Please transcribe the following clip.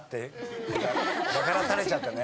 分からされちゃったね。